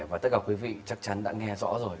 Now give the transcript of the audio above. và tất cả quý vị chắc chắn đã nghe rõ rồi